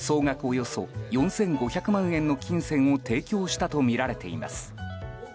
およそ４５００万円の金銭を提供したとみられています。